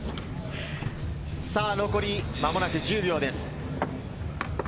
さあ残り、間もなく１０秒です。